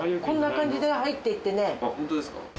こんな感じで入っていってね。